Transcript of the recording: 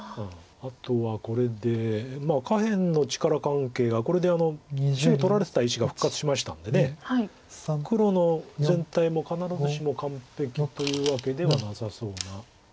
あとはこれで下辺の力関係がこれで白取られてた石が復活しましたんで黒の全体も必ずしも完璧というわけではなさそうな。